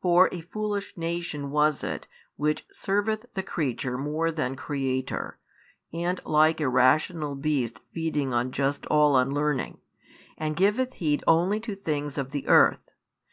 For a foolish nation was it which serveth the creature more than Creator and like irrational beasts feeds on just all unlearning, and giveth heed only to things of the earth.